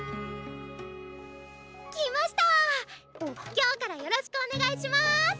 今日からよろしくお願いします！